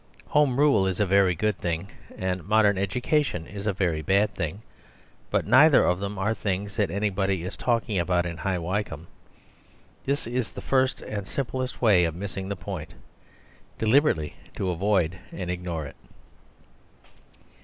Home Rule is a very good thing, and modern education is a very bad thing; but neither of them are things that anybody is talking about in High Wycombe. This is the first and simplest way of missing the point: deliberately to avoid and ignore it.